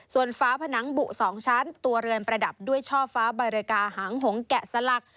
ส่วนฝาผนังบุ๒ชั้นตัวเรือนประดับด้วยช่อฟ้าใบรกาหางหงแกะสลัก